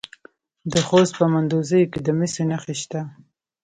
د خوست په مندوزیو کې د مسو نښې شته.